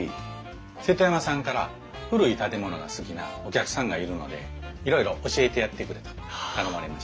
瀬戸山さんから古い建物が好きなお客さんがいるのでいろいろ教えてやってくれと頼まれまして。